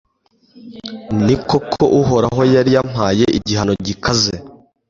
Ni koko Uhoraho yari yampaye igihano gikaze